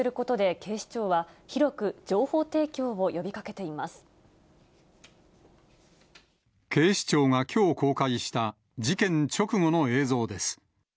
警視庁がきょう公開した、事件直後の映像です。